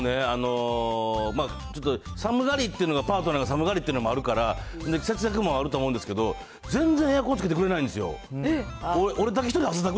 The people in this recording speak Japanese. そうなんですよ、うちもね、ちょっと、寒がりっていうのが、パートナーが寒がりっていうのもあるから、節約もあると思うんですけど、全然エアコンつけてくれないんですよ。